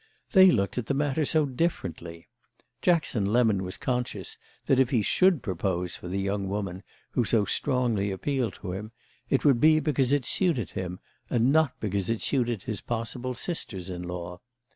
They looked at the matter so differently! Jackson Lemon was conscious that if he should propose for the young woman who so strongly appealed to him it would be because it suited him, and not because it suited his possible sisters in law.